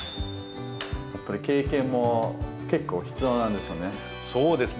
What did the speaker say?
やっぱり経験も結構必要なんですよね？